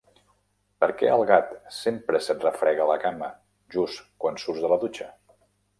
Per què el gat sempre se't refrega a la cama just quan surts de la dutxa?